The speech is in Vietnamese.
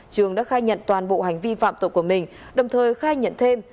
trường đã khai nhận toàn bộ hành vi phạm tội của mình đồng thời khai nhận thêm